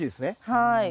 はい。